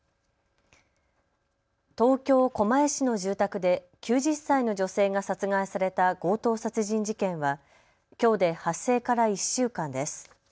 東京狛江市の住宅で９０歳の女性が殺害された強盗殺人事件はきょうで発生から１週間です。